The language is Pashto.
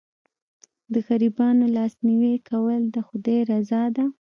د غریبانو لاسنیوی کول د خدای رضا ده.